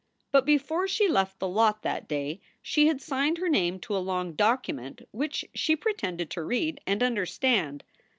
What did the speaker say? But before she left the lot that day she had signed her name to a long document which she pretended to read and understand.